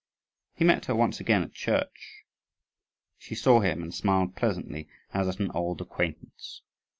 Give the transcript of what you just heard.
He met her once again at church. She saw him, and smiled pleasantly, as at an old acquaintance.